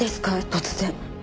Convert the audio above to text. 突然。